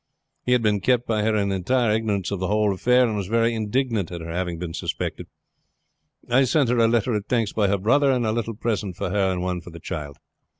He had been kept by her in entire ignorance of the whole affair, and was very indignant at her having been suspected. I sent her a letter of thanks by her brother, and a little present for her and one for the child.